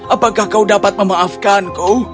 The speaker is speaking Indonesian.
apakah kau dapat memaafkanku